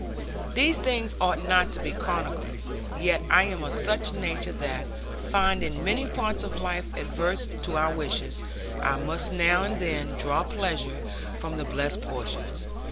These things ought not to be chronicled. Yet I am of such nature, that finding many parts of life adverse to our wishes, I must now and then draw pleasure from the blessed portions.